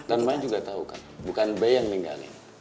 dan ma juga tahu kan bukan be yang tinggalin